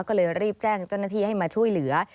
ก็เลยรีบแจ้งเจ้าหน้าที่ให้มาช่วยเหลือ